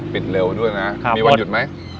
เร็วด้วยนะมีวันหยุดไหม